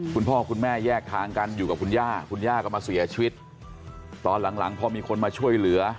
คุณพ่อคุณแม่แยกทางกันอยู่กับคุณย่าคุณย่าก็มาเสียชีวิตตอนหลังหลังพอมีคนมาช่วยเหลือ